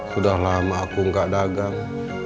sudah lama aku nggak dagang